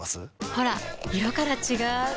ほら色から違う！